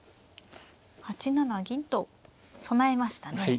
８七銀と備えましたね。